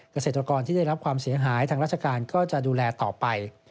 เกษตรกรที่ได้รับความเสียหายทางราชการก็จะดูแลต่อไป